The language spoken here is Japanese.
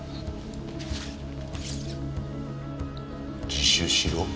自首しろ？